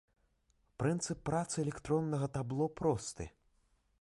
Прынцып працы электроннага табло просты.